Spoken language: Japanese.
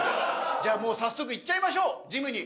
じゃあもう早速行っちゃいましょうジムに。